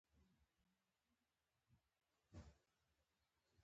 کله چې پلار یو زوی ته یو څه ورکوي دواړه خاندي.